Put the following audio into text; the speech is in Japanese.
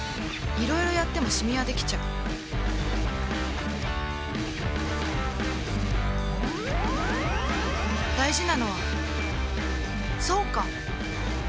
いろいろやってもシミはできちゃう大事なのはそうか！